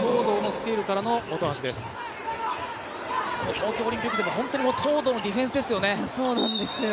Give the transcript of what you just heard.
東京オリンピックでも本当に東藤のディフェンスですよね。